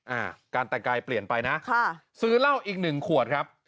อ่าการแต่งกายเปลี่ยนไปนะค่ะซื้อเหล้าอีกหนึ่งขวดครับ